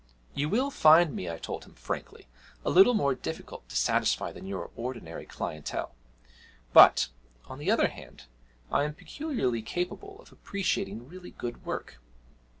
'You will find me,' I told him frankly, 'a little more difficult to satisfy than your ordinary clientèle; but, on the other hand, I am peculiarly capable of appreciating really good work.